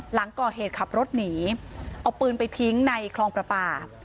หลังก่อเหตุขับรถหนีเอาปืนไปทิ้งในคลองประปา